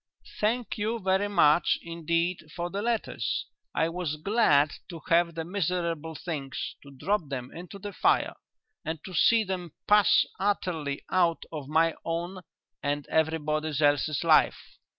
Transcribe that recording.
"Thank you very much indeed for the letters. I was glad to have the miserable things, to drop them into the fire, and to see them pass utterly out of my own and everybody else's life.